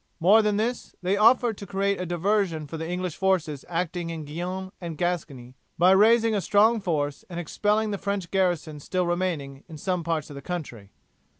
More than this, they offered to create a diversion for the English forces acting in Guienne and Gascony by raising a strong force and expelling the French garrisons still remaining in some parts of the country.